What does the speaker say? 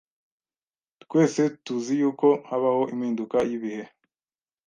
Twese tuzi yuko habaho impinduka y’ ibihe